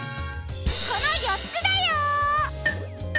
この４つだよ！